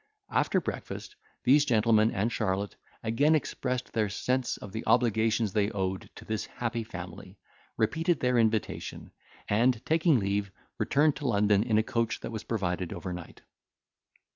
After breakfast these gentlemen and Charlotte again expressed their sense of the obligations they owed to this happy family, repeated their invitation, and, taking leave, returned to London in a coach that was provided overnight.